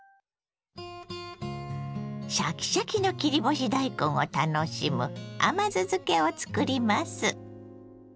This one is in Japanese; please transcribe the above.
シャキシャキの切り干し大根を楽しむ甘酢漬けを作ります。